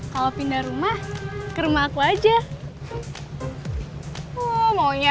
kasihan ya gue ya